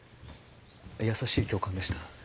優しい教官でした。